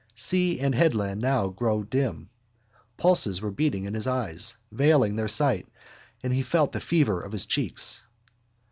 Sea and headland now grew dim. Pulses were beating in his eyes, veiling their sight, and he felt the fever of his cheeks.